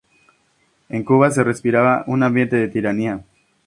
En Cuba se respiraba un ambiente de tiranía.